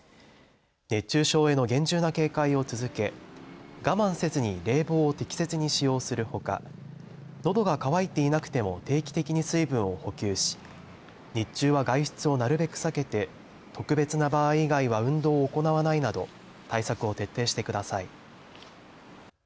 熱中症への厳重な警戒を続け我慢せずに冷房を適切に使用するほかのどが乾いていなくても定期的に水分を補給し日中は外出をなるべく避けて特別な場合以外は運動を行わないなど対策を徹底してください。